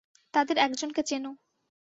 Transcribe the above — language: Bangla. তাদের একজনকে চেনো।